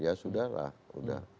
ya sudah lah sudah